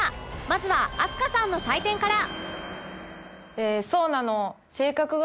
まずは飛鳥さんの採点から